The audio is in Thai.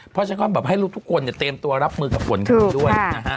เพราะฉันก็แบบให้ลูกทุกคนเตรียมตัวรับมือกับฝนกันด้วย